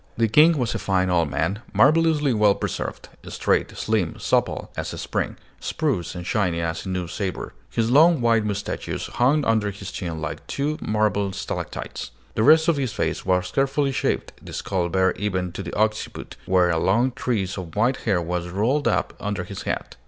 The King was a fine old man, marvelously well preserved, straight, slim, supple as a spring, spruce and shining as a new sabre. His long white moustachios hung under his chin like two marble stalactites. The rest of his face was carefully shaved, the skull bare even to the occiput, where a long tress of white hair was rolled up under his hat.